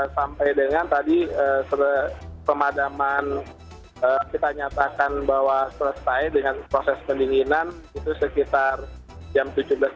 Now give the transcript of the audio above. sampai dengan tadi pemadaman kita nyatakan bahwa selesai dengan proses pendinginan itu sekitar jam tujuh belas tiga puluh